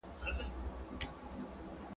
نه هدف چاته معلوم دی نه په راز یې څوک پوهیږي ..